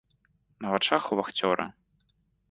На вачах у вахцёра.